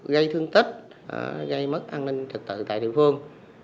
gây thương tích gây mất an ninh trật tự tại địa phương